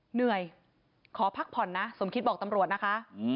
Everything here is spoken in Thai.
เหนื่อยขอพักผ่อนนะสมคิดบอกตำรวจนะคะ